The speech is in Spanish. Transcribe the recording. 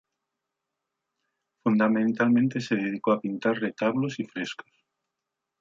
Fundamentalmente se dedicó a pintar retablos y frescos.